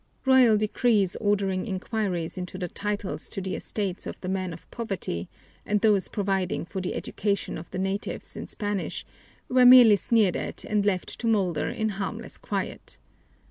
Royal decrees ordering inquiries into the titles to the estates of the men of poverty and those providing for the education of the natives in Spanish were merely sneered at and left to molder in harmless quiet.